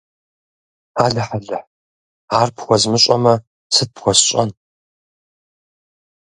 Алыхь-алыхь, ар пхуэзмыщӀэмэ, сыт пхуэсщӀэн!